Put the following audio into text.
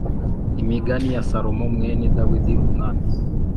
Imigani ya Salomo mwene Dawidi umwami